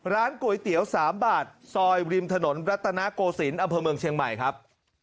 ร้านก๋วยเตี๋ยว๓บาทซอยริมถนนรัตนโกศิลป์อำเภอเมืองเชียงใหม่ครับ